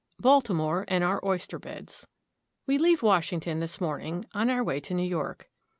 BALTIMORE AND OUR OYSTER BEDS. WE leave Washington this morning, on our way to New York.